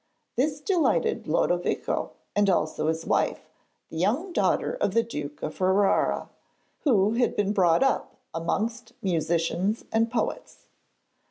This delighted Lodovico and also his wife, the young daughter of the Duke of Ferrara, who had been brought up amongst musicians and poets.